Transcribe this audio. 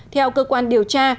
theo cơ quan điều tra